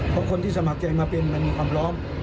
เพราะคนที่สมัครใจมาเป็นมันมีความพร้อม